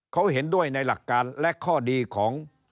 เขาเห็นด้วยในหลักการและข้อดีของ